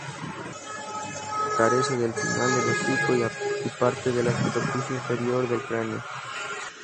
Carece del final del hocico y parte de la superficie inferior del cráneo.